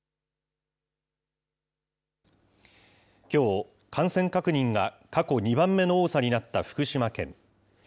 きょう、感染確認が過去２番目の多さになった福島県。